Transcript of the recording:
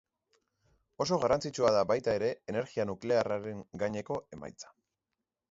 Oso garrantzitsua da, baita ere, energia nuklearraren gaineko emaitza.